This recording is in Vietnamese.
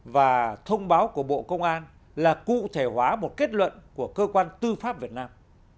và thông báo của bộ công an là cụ thể hóa một kết luận của cơ quan tư pháp việt nam